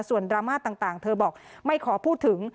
ส่วนดราม่าต่างเธอบอกไม่ขอพูดถึง